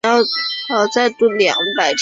亦是其中一个区间车终点站。